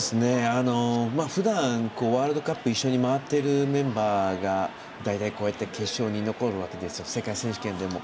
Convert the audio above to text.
ふだん、ワールドカップ一緒に回っているメンバーが大体大体、決勝に残るわけです世界選手権でも。